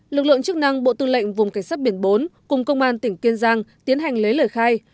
lực lượng chức năng bộ tư lệnh vùng cảnh sát biển bốn cùng công an tỉnh kiên giang tiến hành lấy lời khai